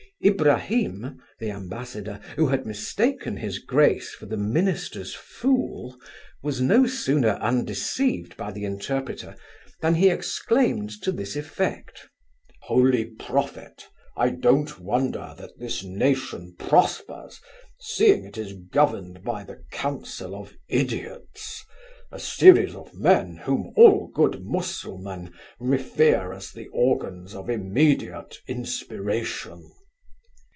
Ibrahim, the ambassador, who had mistaken his grace for the minister's fool, was no sooner undeceived by the interpreter, than he exclaimed to this effect 'Holy prophet! I don't wonder that this nation prospers, seeing it is governed by the counsel of ideots; a series of men, whom all good mussulmen revere as the organs of immediate inspiration!